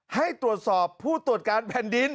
ให้ตรวจสอบผู้ตรวจการแผ่นดิน